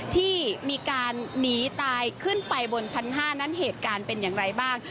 ที่มีการหนีตายขึ้นไปบนชั้น๕นั้นเหตุการณ์เป็นอย่างไรบ้าง